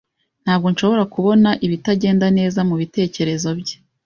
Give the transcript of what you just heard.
Ntabwo nshobora kubona ibitagenda neza mubitekerezo bye.